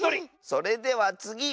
それではつぎ！